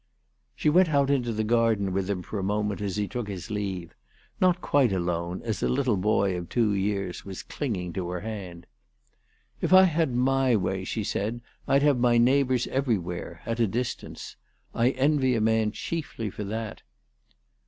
She went out into the garden with him for a moment as he took his leave, not quite alone, as a little boy of two years old was clinging to her hand. " If I had my way," she said, "I'd have my neighbours every where, at any distance. I envy a man chiefly for that."